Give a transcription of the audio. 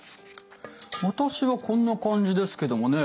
私はこんな感じですけどもね。